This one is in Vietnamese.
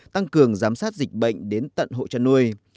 tăng cường giám sát dịch bệnh đến tận hộ chăn nuôi